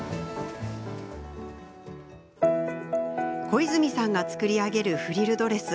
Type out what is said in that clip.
小泉さんが作り上げるフリルドレス。